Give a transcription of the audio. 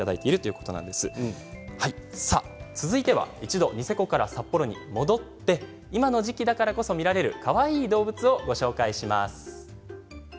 一度ニセコから札幌に戻って今の時期だからこそ見られるかわいい動物をご紹介します。